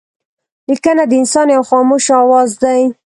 لیکنه د انسان یو خاموشه آواز دئ.